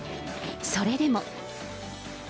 それでも。